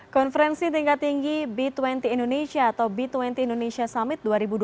konferensi tingkat tinggi b dua puluh indonesia atau b dua puluh indonesia summit dua ribu dua puluh